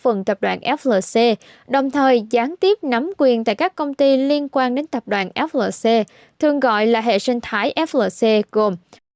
phần tập đoàn flc đồng thời gián tiếp nắm quyền tại các công ty liên quan đến tập đoàn flc thường gọi là hệ sinh thái flc gồm